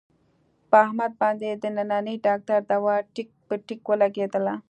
په احمد باندې د ننني ډاکټر دوا ټیک په ټیک ولږېدله.